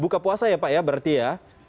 buka puasa ya pak ya berarti ya